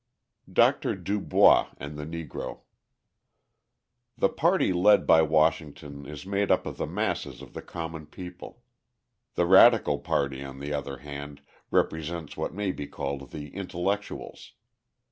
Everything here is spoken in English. Dr. Du Bois and the Negro The party led by Washington is made up of the masses of the common people; the radical party, on the other hand, represents what may be called the intellectuals.